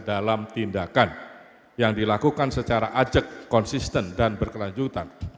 dalam tindakan yang dilakukan secara ajak konsisten dan berkelanjutan